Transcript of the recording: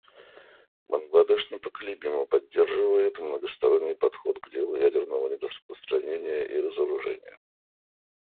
Бангладеш непоколебимо поддерживает многосторонний подход к делу ядерного нераспространения и разоружения.